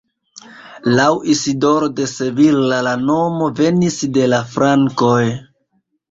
Laŭ Isidoro de Sevilla la nomo venis de la frankoj.